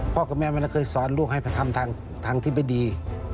พ่อกับแม่ไม่เคยสอนลูกให้ทำทางที่ไม่ดี